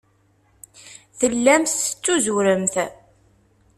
Tellamt tettuzuremt.